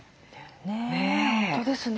本当ですね。